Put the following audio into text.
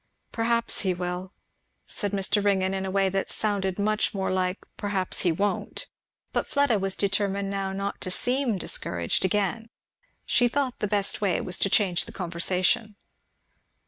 "Perhaps he will," said Mr. Ringgan, in a way that sounded much more like "Perhaps he won't!" But Fleda was determined now not to seem discouraged again. She thought the best way was to change the conversation.